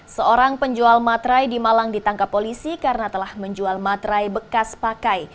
seorang penjual matrai di malang ditangkap polisi karena telah menjual materai bekas pakai